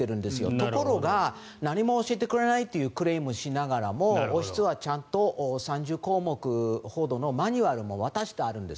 ところが何も教えてくれないというクレームをしながらも王室はちゃんと３０項目ほどのマニュアルも渡してあるんです。